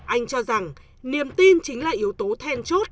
anh cho rằng niềm tin chính là yếu tố then chốt